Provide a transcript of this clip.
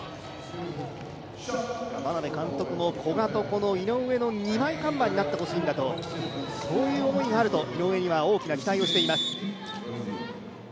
眞鍋監督も古賀と井上の二枚看板になってほしいんだと、そういう思いがあると、井上には大きな期待をしています。